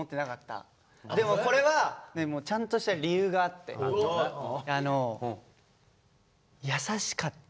でもこれはちゃんとした理由があってあの優しかった。